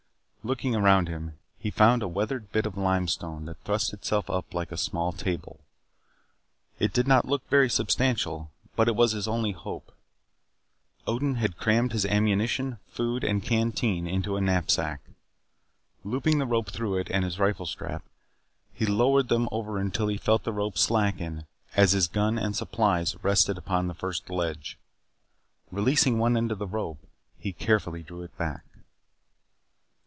Looking about him, he found a weathered bit of limestone that thrust itself up like a small table. It did not look very substantial but it was his only hope. Odin had crammed his ammunition, food and canteen into a knapsack. Looping the rope through it and his rifle strap, he lowered them over until he felt the rope slacken as his gun and supplies rested upon the first ledge. Releasing one end of the rope he carefully drew it back.